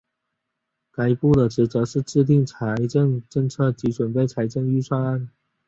该部的职责是制定财政政策及准备财政预算案。